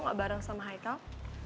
gak bareng sama haikal